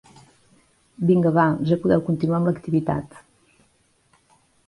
Vinga va, ja podeu continuar amb l'activitat.